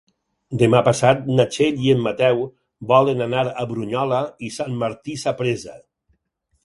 Demà passat na Txell i en Mateu volen anar a Brunyola i Sant Martí Sapresa.